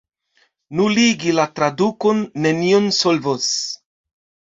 Nuligi la tradukon nenion solvos.